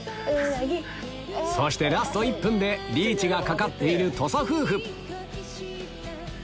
そしてラスト１分でリーチが懸かっている土佐夫婦